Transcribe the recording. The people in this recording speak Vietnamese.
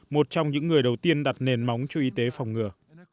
một trong những người đầu tiên đặt nền móng cho y tế phòng ngừa